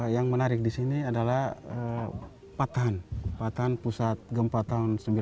yang menarik di sini adalah patahan patahan pusat gempa tahun seribu sembilan ratus sembilan puluh